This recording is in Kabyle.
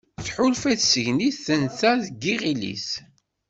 Tḥulfa i tseggnit tenta deg yiɣil-is.